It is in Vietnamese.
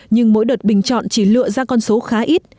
nhưng mỗi đợt bình chọn chỉ lựa ra con số khá ít